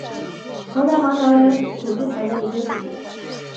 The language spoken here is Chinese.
红花芒毛苣苔为苦苣苔科芒毛苣苔属下的一个种。